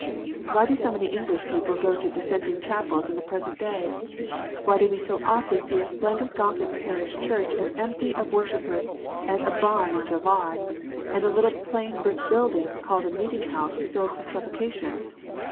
Why do so many English people go to Dissenting chapels in the present day 1 Why do we so often see a splendid Gothic parish church as empty of worshippers as a barn in July, and a little plain brick building, called a meeting house, filled to suffocation?